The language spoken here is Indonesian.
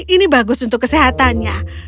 ini bagus untuk kesehatannya